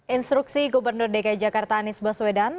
instruksi gubernur dki jakarta anies baswedan